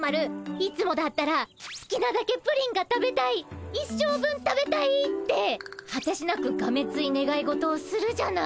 いつもだったらすきなだけプリンが食べたい一生分食べたいってはてしなくがめついねがい事をするじゃない。